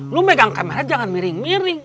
lu megang kamera jangan miring miring